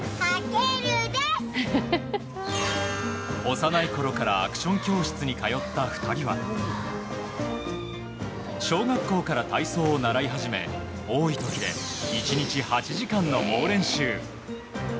幼いころからアクション教室に通った２人は小学校から体操を習い始め多い時で１日８時間の猛練習。